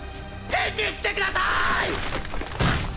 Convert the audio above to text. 返事してくださいッ。